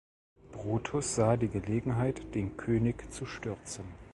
Brutus sah die Gelegenheit, den König zu stürzen.